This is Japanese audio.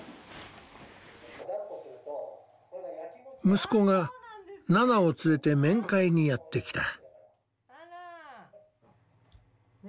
息子がナナを連れて面会にやって来た。